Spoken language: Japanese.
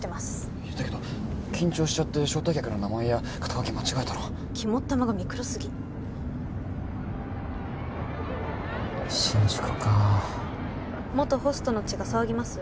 いやだけど緊張しちゃって招待客の名前や肩書間違えたら肝っ玉がミクロすぎ新宿か元ホストの血が騒ぎます？